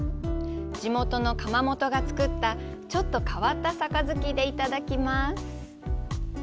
地元の窯元が作ったちょっと変わった杯でいただきます。